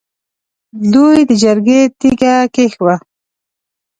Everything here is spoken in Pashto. دوی د جرګې تیګه کېښووه.